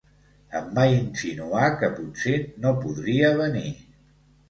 Em va insinuar que potser no podria venir.